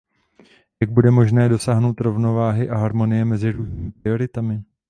Jak bude možné dosáhnout rovnováhy a harmonie mezi různými prioritami?